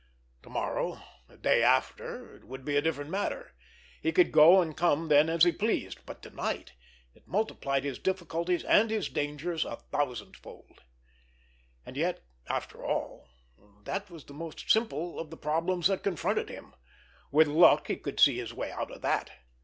To morrow, the day after, it would be a different matter, he could go and come then as he pleased, but to night it multiplied his difficulties and his dangers a thousandfold. And yet, after all, that was the most simple of the problems that confronted him—with luck, he could see his way out of that.